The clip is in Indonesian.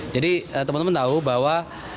jadi teman teman tahu bahwa